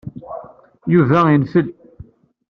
Yuba infel.